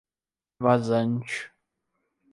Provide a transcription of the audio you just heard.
Vazante